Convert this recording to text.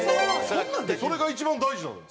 それが一番大事なのよ。